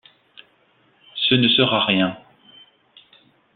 Ce ne sera rien.